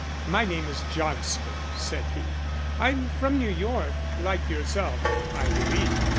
"My name is Johnston," said he. "I'm from New York; like yourself, I believe."